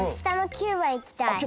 ９ばんいきたい？